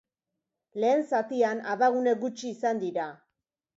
Lehen zatian, abagune gutxi izan dira.